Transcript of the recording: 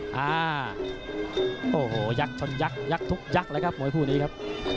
อ่าโอ้โหยักษ์ชนยักษยักษ์ทุกยักษ์แล้วครับมวยคู่นี้ครับ